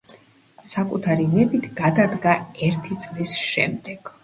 საკუთარი ნებით გადადგა ერთი წლის შემდეგ.